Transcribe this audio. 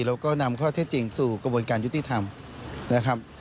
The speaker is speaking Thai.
แล้วก็นำข้อเท็จจริงสู่กระบวนการยุติธรรมนะครับ